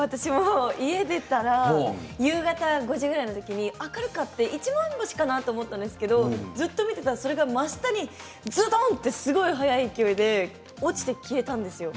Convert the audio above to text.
家を出たら夕方５時ぐらいの時に明るくて一番星かなと思ったんですけどずっと見ていたら、真下にズドンとすごい勢いで落ちて消えたんですよ。